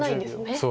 そう。